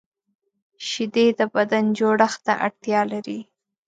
شیدې د بدن جوړښت ته اړتیا لري